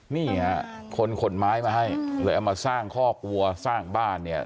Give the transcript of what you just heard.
นี่ฮะคนขนไม้มาให้เลยเอามาสร้างคอกวัวสร้างบ้านเนี่ย